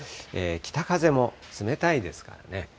北風も冷たいですからね。